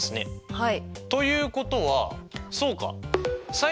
はい。